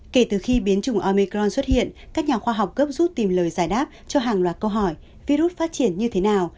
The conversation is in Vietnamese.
kể từ khi biến chủng omecron xuất hiện các nhà khoa học gấp rút tìm lời giải đáp cho hàng loạt câu hỏi virus phát triển như thế nào